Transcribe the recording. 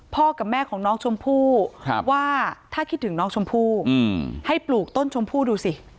กับแม่ของน้องชมพู่ว่าถ้าคิดถึงน้องชมพู่ให้ปลูกต้นชมพู่ดูสิ